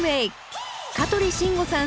香取慎吾さん